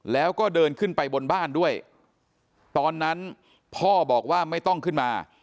แล้วก็เดินขึ้นไปบนบ้านด้วยตอนนั้นพ่อบอกว่าไม่ต้องขึ้นมา